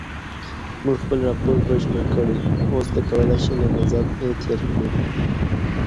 مونږ خپل راپور بشپړ کړی اوس ته کولای شې له نظر یې تېر کړې.